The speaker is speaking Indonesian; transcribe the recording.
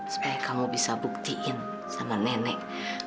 supaya kamu bisa buktiin sama nenek